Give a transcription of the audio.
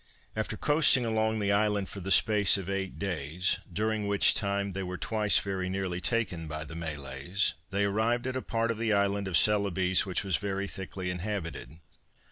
After coasting along the island for the space of eight days, during which time they were twice very nearly taken by the Malays, they arrived at a part of the island of Celebes, which was very thickly inhabited.